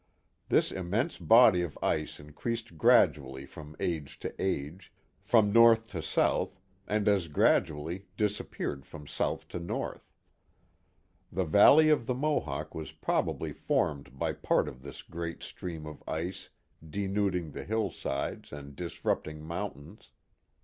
This immense body of ice increased gradually from age to age, from north to south, and as gradually disappeared from south to north. The valley of the Mohawk was probably formed by part of this great stream of ice denuding the hillsides and disrupting mountains.